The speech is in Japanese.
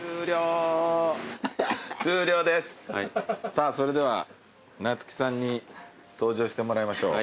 さぁそれでは夏樹さんに登場してもらいましょう。